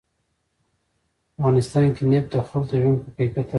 په افغانستان کې نفت د خلکو د ژوند په کیفیت تاثیر کوي.